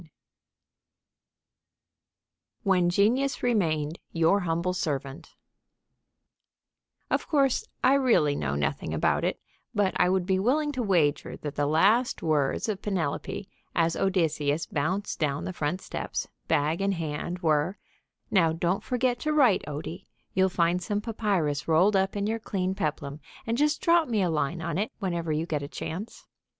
III WHEN GENIUS REMAINED YOUR HUMBLE SERVANT Of course, I really know nothing about it, but I would be willing to wager that the last words of Penelope, as Odysseus bounced down the front steps, bag in hand, were: "Now, don't forget to write, Odie. You'll find some papyrus rolled up in your clean peplum, and just drop me a line on it whenever you get a chance."